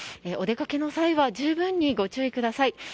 お出かけの際は十分にご注意ください。